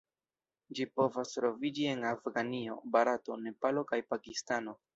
Ĝi povas troviĝi en Afganio, Barato, Nepalo kaj Pakistano.